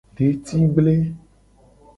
Detigble.